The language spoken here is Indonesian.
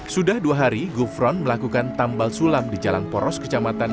sudah dua hari gufron melakukan tambal sulam di jalan poros kecamatan